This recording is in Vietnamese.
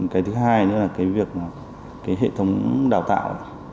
cái thứ hai nữa là hệ thống đào tạo